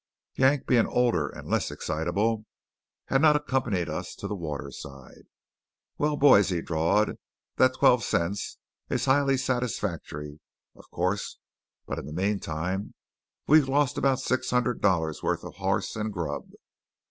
Yank, being older and less excitable, had not accompanied us to the waterside. "Well, boys," he drawled, "that twelve cents is highly satisfactory, of course; but in the meantime we've lost about six hundred dollars' worth of hoss and grub."